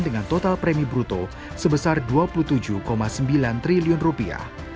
dengan total premi bruto sebesar dua puluh tujuh sembilan triliun rupiah